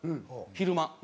昼間。